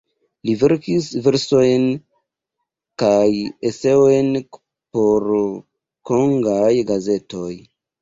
Li verkis versojn kaj eseojn por Kongaj gazetoj.